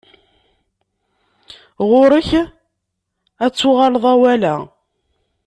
Ɣuṛ-k ad tuɣaleḍ awal-a.